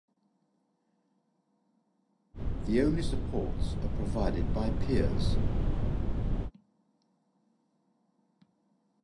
The only supports are provided by piers.